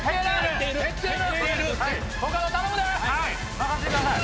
任せてください。